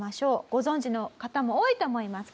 ご存じの方も多いと思います。